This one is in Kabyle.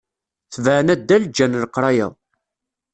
Tebεen addal, ǧǧan leqraya.